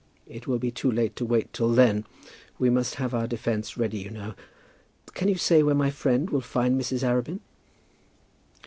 It will be too late to wait till then. We must have our defence ready you know. Can you say where my friend will find Mrs. Arabin?"